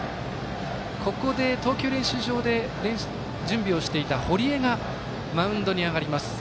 ここで投球練習場で準備をしていた堀江がマウンドに上がります。